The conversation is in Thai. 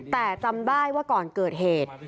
แต่จำได้ว่าก่อนเกิดเหตุ